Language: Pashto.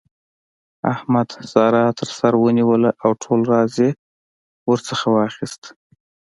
احمد؛ سارا تر سر ونيوله او ټول راز يې ورڅخه واخيست.